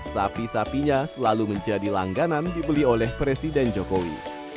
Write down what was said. sapi sapinya selalu menjadi langganan dibeli oleh presiden jokowi